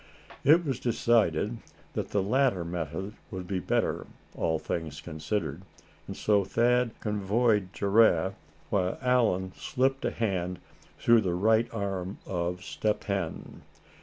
It was decided that the latter method would be better, all things considered. And so Thad convoyed Giraffe, while Allan slipped a hand through the right arm of Step Hen.